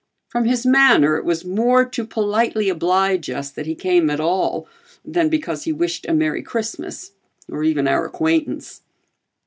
From his manner it was more to politely oblige us that he came at all, than because he wished a merry Christmas or even our acquaintance.